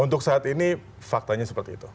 untuk saat ini faktanya seperti itu